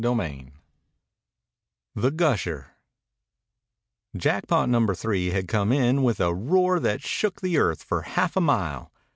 CHAPTER XXIII THE GUSHER Jackpot number three had come in with a roar that shook the earth for half a mile.